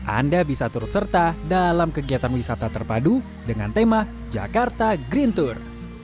anda bisa turut serta dalam kegiatan wisata terpadu dengan tema jakarta green tour